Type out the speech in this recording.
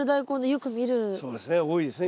そうですね多いですね